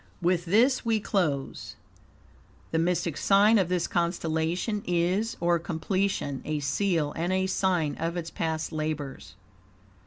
With this we close. The mystic sign of this constellation is {}, or completion, a seal and a sign of its past labors.